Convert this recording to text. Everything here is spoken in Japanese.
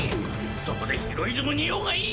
そこでヒロイズムに酔うがいい！